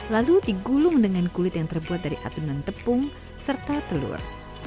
lalu digulung dengan kulit yang terbuat dari adonan tepung serta telur